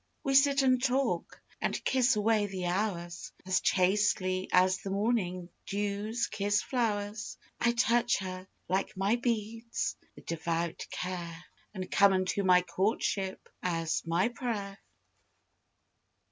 We sit and talk, and kiss away the hours As chastely as the morning dews kiss flowers. I touch her, like my beads, with devout care, And come unto my courtship as my prayer.